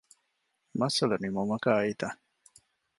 މައްސަލަ ނިމުމަކަށް އައީތަ؟